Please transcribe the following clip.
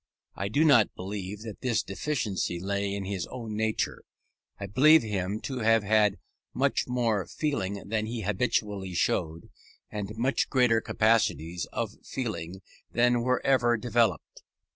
I do not believe that this deficiency lay in his own nature. I believe him to have had much more feeling than he habitually showed, and much greater capacities of feeling than were ever developed.